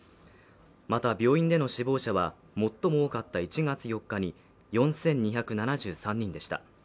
また、病院での死亡者は最も多かった１月４日に４２７３人でした。